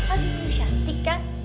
aduh lu cantik kan